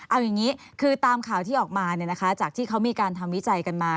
เอาอย่างนี้คือตามข่าวที่ออกมาจากที่เขามีการทำวิจัยกันมา